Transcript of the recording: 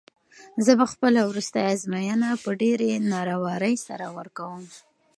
زه به خپله وروستۍ ازموینه په ډېرې نره ورۍ سره ورکوم.